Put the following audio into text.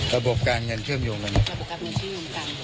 ระบบการเงินเชื่อมโยงกันระบบการเงินเชื่อเหมือนกัน